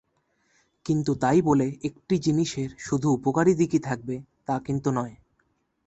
কিন্তু তাই বলে একটি জিনিসের শুধু উপকারী দিকই থাকবে তা কিন্তু নয়।